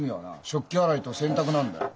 食器洗いと洗濯なんだよ。